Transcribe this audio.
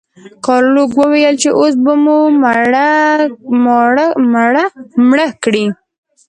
ګارلوک وویل چې اوس به مو مړه کړئ.